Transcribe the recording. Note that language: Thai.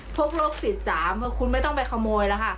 พวกโรคจิตจ๋าเมื่อคุณไม่ต้องไปขโมยแล้วค่ะ